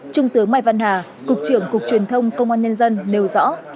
trung tướng mai văn hà cục trưởng cục truyền thông công an nhân dân nêu rõ